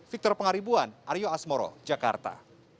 victor pengaribuan aryo asmoro jakarta